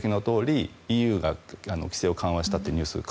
ご指摘のとおり、ＥＵが規制を緩和したというニュース